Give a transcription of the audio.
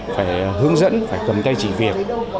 phải cầm tay chỉ việc